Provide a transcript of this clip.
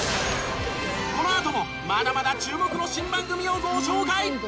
このあともまだまだ注目の新番組をご紹介。